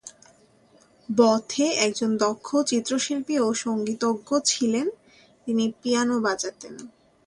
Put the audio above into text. বোথে একজন দক্ষ চিত্রশিল্পী ও সঙ্গীতজ্ঞ ছিলেন; তিনি পিয়ানো বাজাতেন।